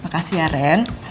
makasih ya ren